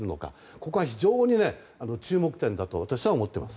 ここは非常に注目点だと私は思ってます。